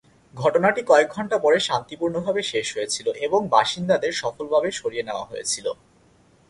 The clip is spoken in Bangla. ঘটনাটি কয়েক ঘণ্টা পরে শান্তিপূর্ণভাবে শেষ হয়েছিল এবং বাসিন্দাদের সফলভাবে সরিয়ে নেওয়া হয়েছিল।